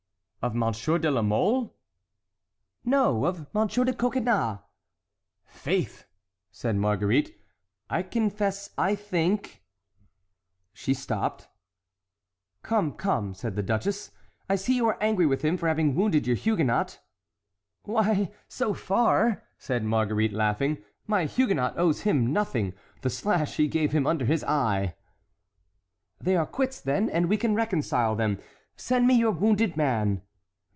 "Of Monsieur de la Mole?" "No, of Monsieur de Coconnas?" "Faith!" said Marguerite, "I confess I think"— She stopped. "Come, come," said the duchess, "I see you are angry with him for having wounded your Huguenot." "Why, so far," said Marguerite, laughing, "my Huguenot owes him nothing; the slash he gave him under his eye"— "They are quits, then, and we can reconcile them. Send me your wounded man."